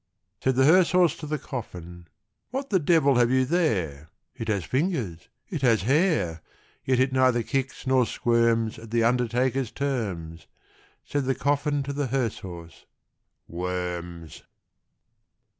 Said the hearse horse to the coffin, "What the devil have you there? It has fingers, it has hair; Yet it neither kicks nor squirms At the undertaker's terms." Said the coffin to the hearse horse, "Worms!"